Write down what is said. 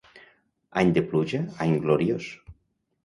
Any de pluja, any gloriós.